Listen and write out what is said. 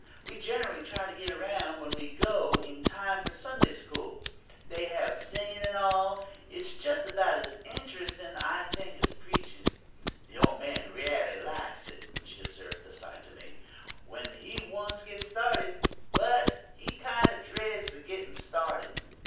We generally try to get around, when we go, in time for Sunday school. They have singin' and all. It's just about as interestin', I think, as preachin'. The old man r'aly likes it," she observed aside to me; "when he once gets started, but he kind o' dreads the gittin' started."